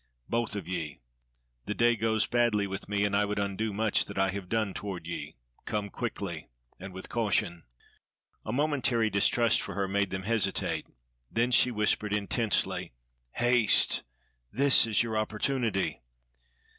Both of ye. The day goes badly with me, and I would undo much that I have done toward ye. Come quickly, and with caution." A momentary distrust for her made them hesitate; then she whispered intensely: "Haste. This is your opportunity."